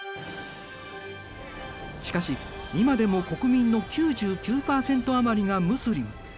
しかし今でも国民の９９％余りがムスリム。